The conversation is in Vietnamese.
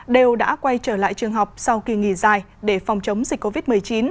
đều đã quay trở lại trường học sau kỳ nghỉ dài để phòng chống dịch covid một mươi chín